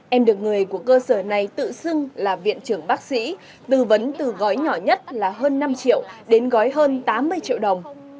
em được người của cơ sở này tự xưng là viện trưởng bác sĩ tư vấn từ gói nhỏ nhất là hơn năm triệu đến gói hơn tám mươi triệu đồng